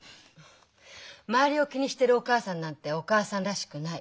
周りを気にしてるお母さんなんてお母さんらしくない。